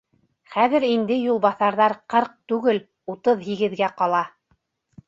Хәҙер инде юлбаҫарҙар ҡырҡ түгел, утыҙ һигеҙгә ҡала.